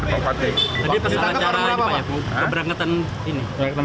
siapa aja pak yang di bawah kejagaan pak itu orang berapa pak